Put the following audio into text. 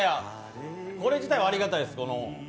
これ自体はありがたいです。